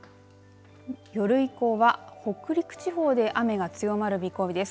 夜以降は北陸地方で雨が強まる見込みです。